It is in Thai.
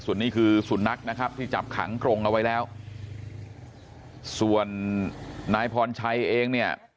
ส่วนนี้คือสุนัขนะครับที่จับขังกรงเอาไว้แล้วส่วนนายพรชัยเองเนี่ย